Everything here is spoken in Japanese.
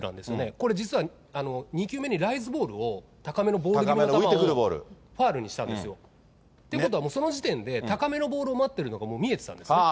これ実は、２球目にライズボールを、高めのボール気味の球をファウルにしたんですよ。ということは、その時点で高めのボールを待っているのが見えてたんですね。